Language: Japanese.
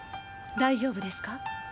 大丈夫ですか？